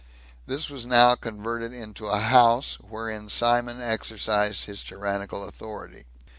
This was now converted to a house, wherein Simon exercised his tyrannical authority.